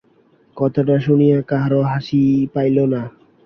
কথাটা শুনিয়া কাহারও হাসি পাইল না।